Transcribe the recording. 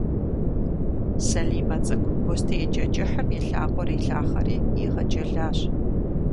Салимэ цӏыкӏу бостеикӏэ кӏыхьым и лъакъуэр илъахъэри игъэджэлащ.